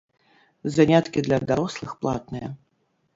Заняткі для дарослых платныя.